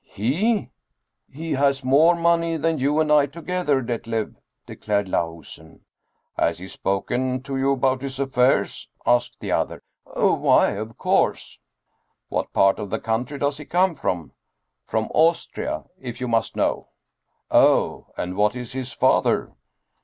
"He? He has more money than you and I together, Detlev," declared Lahusen. " Has he spoken to you about his affairs ?" asked the other. " Why, of course." " What part of the country does he come from ?"" From Austria, if you must know." "Oh! and what is his father?"